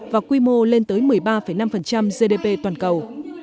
và quy mô lên tới một mươi ba năm gdp toàn cầu